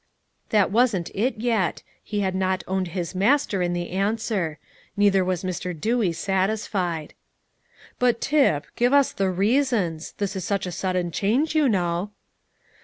That wasn't it yet, he had not owned his Master in the answer. Neither was Mr. Dewey satisfied. "But, Tip, give us the reasons; this is such a sudden change, you know."